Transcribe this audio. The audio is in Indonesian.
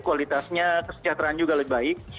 kualitasnya kesejahteraan juga lebih baik